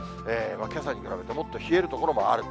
けさに比べて、もっと冷える所もあると。